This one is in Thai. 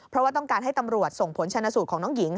เพราะว่าต้องการให้ตำรวจส่งผลชนะสูตรของน้องหญิง